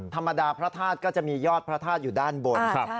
ธรรมดาพระธาตุก็จะมียอดพระธาตุอยู่ด้านบน